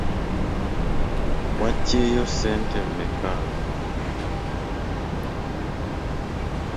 Wagyeyo ssente mmeka?